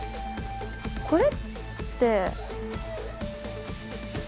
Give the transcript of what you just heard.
これって。